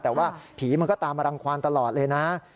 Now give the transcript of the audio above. แต่ว่าผีมันก็ตามมารังความตลอดเลยนะ